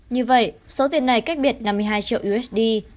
như vậy số tiền này cách biệt năm mươi hai triệu usd